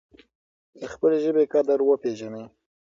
د خپلې ژبې قدر وپیژنئ.